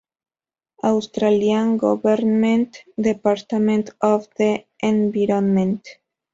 Australian Government, Department of the Environment.